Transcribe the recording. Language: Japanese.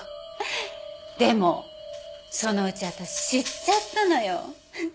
でもそのうち私知っちゃったのよ。